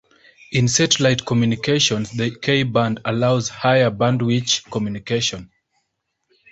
In satellite communications, the K band allows higher bandwidth communication.